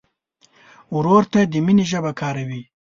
ورور ته د مینې ژبه کاروې.